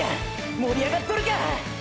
盛りあがっとるか！！